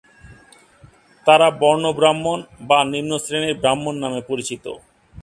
তারা বর্ণ ব্রাহ্মণ বা নিম্ন শ্রেণীর ব্রাহ্মণ নামে পরিচিত।